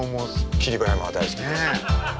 霧馬山が大好きです。